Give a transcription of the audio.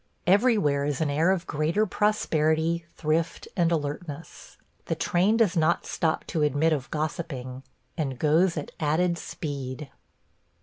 Everywhere is an air of greater prosperity, thrift, and alertness. The train does not stop to admit of gossiping, and goes at added speed.